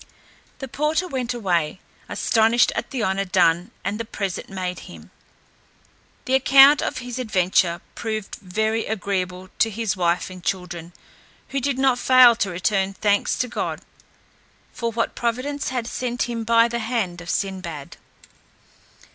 The porter went away, astonished at the honour done, and the present made him. The account of this adventure proved very agreeable to his wife and children, who did not fail to return thanks to God for what providence had sent him by the hand of Sinbad.